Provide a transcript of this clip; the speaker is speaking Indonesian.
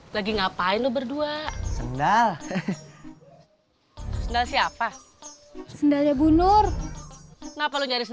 lagi ngapain berdua sendal sendal siapa sendalnya bunur kenapa lu nyari